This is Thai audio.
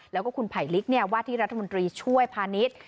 แล้วก็คุณไผลลิกว่าที่รัฐมนตรีช่วยพาณิชย์